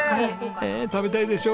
ねえ食べたいでしょ。